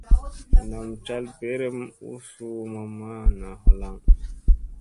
Nam cal berem u suu mamma naa halaŋ.